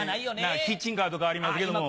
キッチンカーとかありますけども。